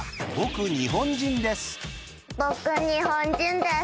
ボク日本人です！